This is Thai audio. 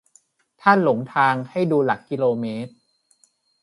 ถ้าหลงทางให้ดูหลักกิโลเมตร